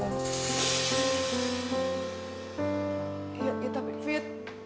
ya ya tapi fit